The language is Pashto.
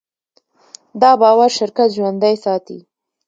دا باور شرکت ژوندی ساتي.